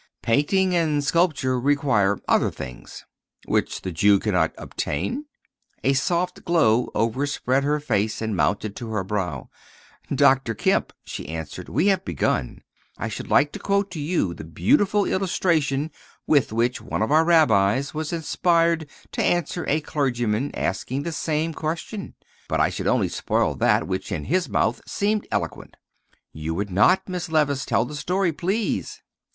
Painting and sculpture require other things." "Which the Jew cannot obtain?" A soft glow overspread her face and mounted to her brow. "Dr. Kemp," she answered, "we have begun. I should like to quote to you the beautiful illustration with which one of our rabbis was inspired to answer a clergyman asking the same question; but I should only spoil that which in his mouth seemed eloquent." "You would not, Miss Levice. Tell the story, please."